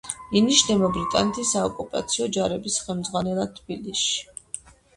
ინიშნება ბრიტანეთის საოკუპაციო ჯარების ხელმძღვანელად თბილისში.